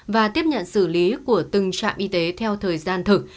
và tiếp nhận xử lý của từng trạm y tế theo thời gian thực